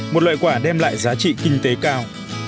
một loại quả đem lại giá trị kinh tế cao